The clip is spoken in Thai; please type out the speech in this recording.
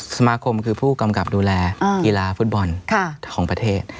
สมาคมคือผู้กำกับดูแลกีฬาฟุตบอลของประเทศ